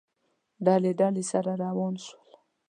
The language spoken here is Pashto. ډلې، ډلې، سره وران شول